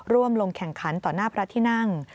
ลงแข่งขันต่อหน้าพระที่นั่ง